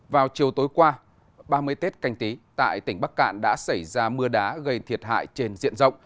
vào chiều tối qua ba mươi tết canh tí tại tỉnh bắc cạn đã xảy ra mưa đá gây thiệt hại trên diện rộng